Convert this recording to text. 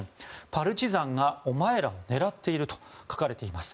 パルチザンがお前らを狙っていると書かれています。